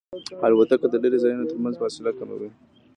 الوتکه د لرې ځایونو ترمنځ فاصله کموي.